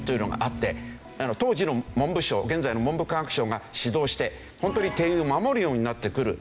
当時の文部省現在の文部科学省が指導してホントに定員を守るようになってくる。